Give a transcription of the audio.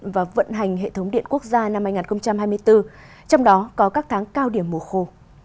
và vận hành hệ thống điện quốc gia năm hai nghìn hai mươi bốn trong đó có các tháng cao điểm mùa khô